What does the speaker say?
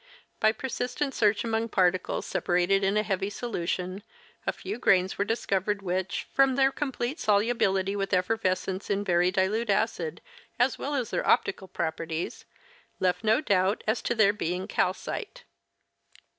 By persistent search among particles separated in a heavy solution, a few grains were discovered which, from their complete solubility with effervescence in very dilute acid, as well as their optical properties, left no doubt as to their being calcite.